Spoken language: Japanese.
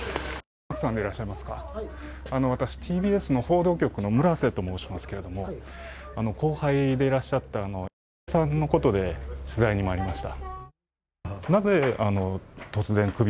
私、ＴＢＳの報道局の村瀬と申しますけれども後輩でいらっしゃった○○さんのことで取材にまいりました。